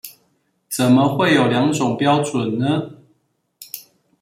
怎麼會有兩種標準呢？